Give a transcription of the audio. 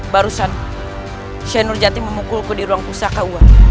barusan sheikhur jati memukulku di ruang pusaka uang